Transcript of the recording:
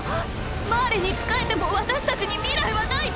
マーレに仕えても私たちに未来は無いって！！